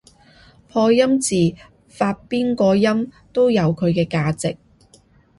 破音字發邊個音都有佢嘅價值